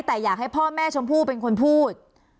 แต่อยากให้พ่อแม่ชมพู่เป็นคนพูด